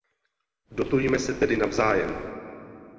Dotujme se tedy navzájem!